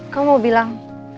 kamu mau bilang